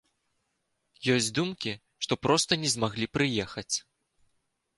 Ёсць думкі, што проста не змаглі прыехаць.